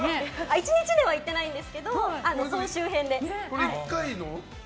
１日で行ってないんですけど総集編で。